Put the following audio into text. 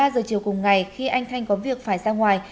một mươi ba giờ chiều cùng ngày khi anh thanh có việc phải ra ngoài